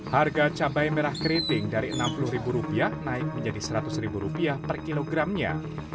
harga cabai merah keriting dari rp enam puluh naik menjadi rp seratus per kilogramnya